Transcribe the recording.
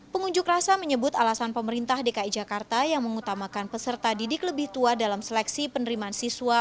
pengunjuk rasa menyebut alasan pemerintah dki jakarta yang mengutamakan peserta didik lebih tua dalam seleksi penerimaan siswa